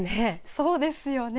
そうですよね。